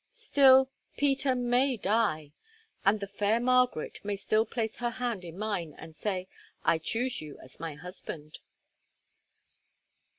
Still, Peter may die, and the fair Margaret may still place her hand in mine and say, 'I choose you as my husband.